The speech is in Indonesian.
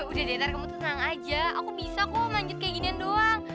udah deh ter kamu tuh tenang aja aku bisa kok manjut kayak gini doang